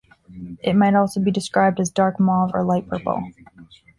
It might also be described as dark mauve or light purple.